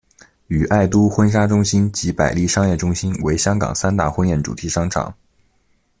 与爱都婚纱中心及百利商业中心为香港三大婚宴主题商场。